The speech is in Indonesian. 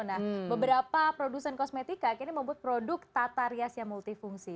nah beberapa produsen kosmetika kini membuat produk tata rias yang multifungsi